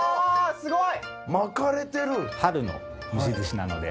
すごい！